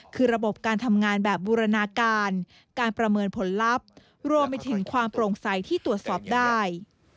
คือระบบการทำงานแบบบูรณาการการประเมินผลลัพธ์รวมไปถึงความโปร่งใสที่ตรวจสอบได้